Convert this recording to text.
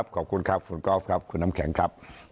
ขอบคุณครับคุณกอล์ฟครับคุณน้ำแข็งครับ